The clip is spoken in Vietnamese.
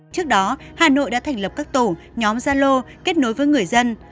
trước đó hà nội đã thành lập các tổ nhóm gia lô kết nối với người dân